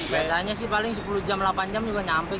biasanya sih paling sepuluh jam delapan jam juga nyampe